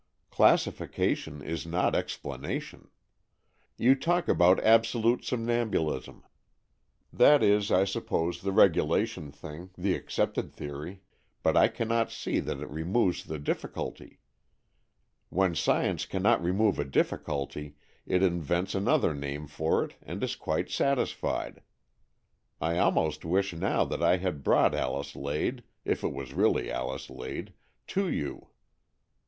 Classification is not explanation. You talk about absolute somnambulism. That is, I suppose, the regulation thing, the accepted theory, but I cannot see that it removes the difficulty. When science cannot remove a difficulty, it invents another name for it and is quite satisfied. I almost wish now that I had brought Alice Lade, if it was really Alice Lade, to you.